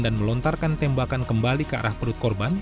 dan melontarkan tembakan kembali ke arah perut korban